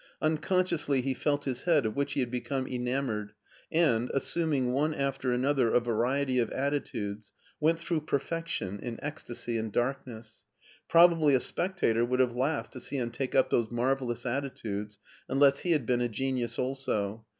Uncon sciously he felt his head, of which he had become enamored, and, assuming one after another a variety of attitudes, went through perfection in ecstasy and darkness. Probably a spectator would have laughed to see him take up those marvellous attitudes, unless he had been a genius also.